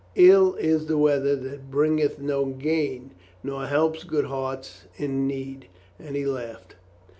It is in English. Ill is the weather that bringeth no gain, Nor helps good hearts in need. And he laughed.